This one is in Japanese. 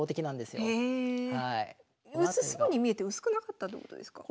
薄そうに見えて薄くなかったってことですか